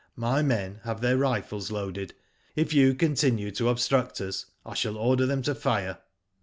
" My men have their rifles loaded. If you continue to obstruct us, I shall order them to fire.